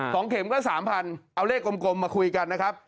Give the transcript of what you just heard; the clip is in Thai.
ของเข็มก็๓๐๐๐เอาเลขกลมมาคุยกันนะครับ